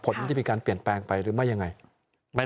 ผลมันจะมีการเปลี่ยนแปลงไปหรือไม่ยังไง